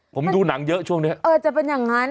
ผมดูหนังเยอะช่วงเนี้ยเออจะเป็นอย่างนั้น